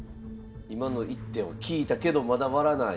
今の一手は効いたけどまだ割らない。